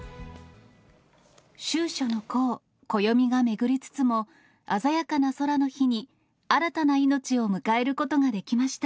秋暑の候、暦が巡りつつも、鮮やかな空の日に、新たな命を迎えることができました。